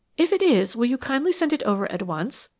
If it is, will you kindly send it over at once?